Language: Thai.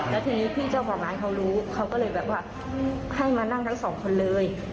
แล้วทีนี้พี่เจ้าของร้านเขารู้เขาก็เลยแบบว่าให้มานั่งทั้งสองคนเลย